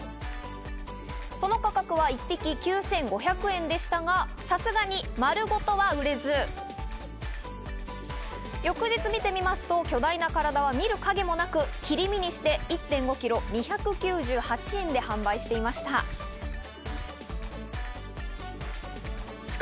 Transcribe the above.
その価格は一匹９５００円でしたが、さすがに丸ごとは売れず、翌日見ていますと巨大な体は見る影もなく、切り身にして１．５ｋｇ２９８円で販売していました。